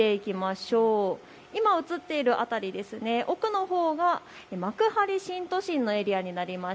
今映っている辺り、奧のほうが幕張新都心のエリアになります。